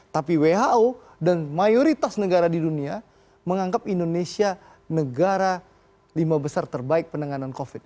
tapi who dan mayoritas negara di dunia menganggap indonesia negara lima besar terbaik penanganan covid